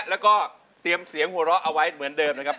แล้วก็เตรียมเสียงหัวเราะเอาไว้เหมือนเดิมนะครับ